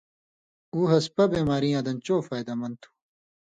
اُو ہسپہ بیماریاں دن چو فائدہ مند تُھو۔